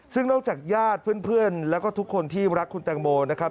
ซึ่งนอกจากญาติเพื่อนแล้วก็ทุกคนที่รักคุณแตงโมนะครับ